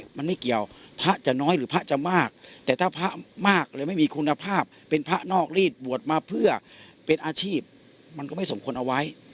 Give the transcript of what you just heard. มันไม่เกี่ยวพระจะน้อยหรือพระจะมากแต่ถ้าพระมากหรือไม่มีคุณภาพเป็นพระนอกรีดบวชมาเพื่อเป็นอาชีพมันก็ไม่สมควรเอาไว้